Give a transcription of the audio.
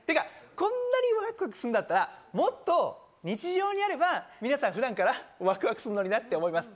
こんなにワクワクするんだったら、もっと日常にあれば皆さん普段からワクワクするのになって思います。